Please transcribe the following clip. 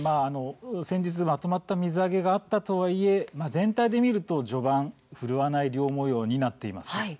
先日、まとまった水揚げがあったとはいえ全体で見ると序盤は振るわない漁もようになっています。